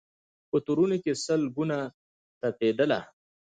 په تورونو کي سل ګونه تپېدله